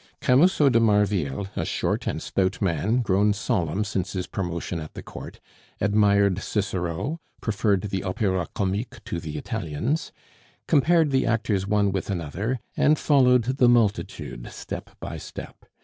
Camusot de Marville, a short and stout man, grown solemn since his promotion at the Court, admired Cicero, preferred the Opera Comique to the Italiens, compared the actors one with another, and followed the multitude step by step.